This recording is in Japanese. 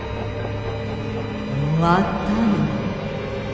終わったの？